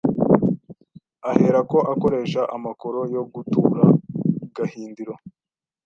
” Ahera ko akoresha amakoro yo gutura Gahindiro